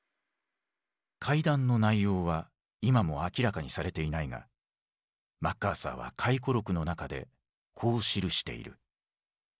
会談の内容は今も明らかにされていないがマッカーサーは回顧録の中でこう記している。